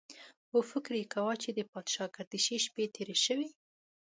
او فکر یې کاوه چې د پاچاګردشۍ شپې تېرې شوې.